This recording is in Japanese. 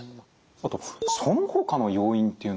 あとそのほかの要因っていうのは。